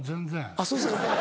あっそうですか。